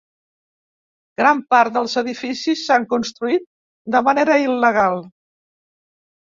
Gran part dels edificis s'han construït de manera il·legal.